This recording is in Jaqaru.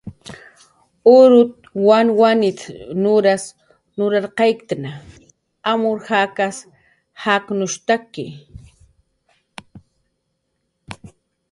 "Urut"" wanwanit"" nuras nurarqayktna, amur jakas jaqnushtaki"